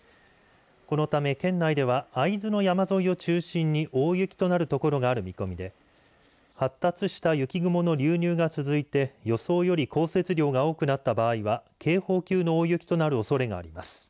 このため県内では会津の山沿いを中心に大雪となる所がある見込みで発達した雪雲の流入が続いて予想より降雪量が多くなった場合は警報級の大雪となるおそれがあります。